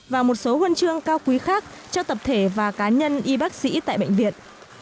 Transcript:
và một số huân chương cao quý khác cho tập thể và cá nhân y bác sĩ tại bệnh viện